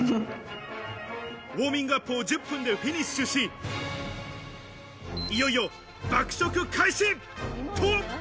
ウオーミングアップを１０分でフィニッシュし、いよいよ爆食開始！